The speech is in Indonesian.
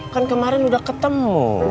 kan kemarin udah ketemu